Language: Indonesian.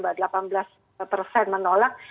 bahwa delapan belas persen menolak